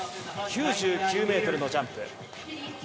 ９９ｍのジャンプ。